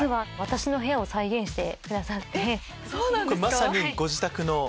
まさにご自宅の。